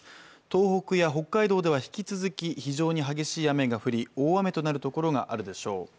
東北や北海道では引き続き、非常に激しい雨が降り、大雨となるところがあるでしょう。